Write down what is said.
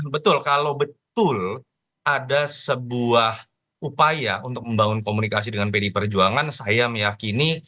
betul kalau betul ada sebuah upaya untuk membangun komunikasi dengan pdi perjuangan saya meyakini